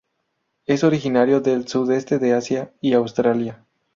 Es originario del Sudeste de Asia y Australia.